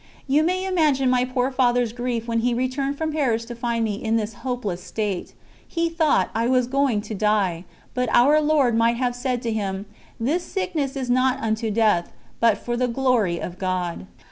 You may imagine my poor Father's grief when he returned from Paris to find me in this hopeless state; he thought I was going to die, but Our Lord might have said to him: "This sickness is not unto death, but for the glory of God."